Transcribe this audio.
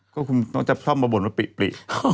ก็คุณต้องจะชอบมาบ่นว่าปลิ